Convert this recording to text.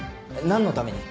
何のために？